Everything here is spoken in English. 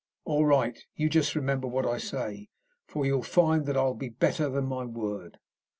"All right. You just remember what I say, for you'll find that I'll be better than my word."